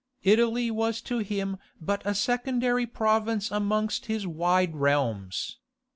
Italy was to him but a secondary province amongst his wide realms.